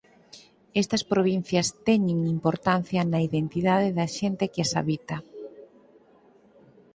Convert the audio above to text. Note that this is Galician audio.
Estas provincias teñen importancia na identidade da xente que as habita.